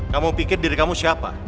kamu pikir diri kamu siapa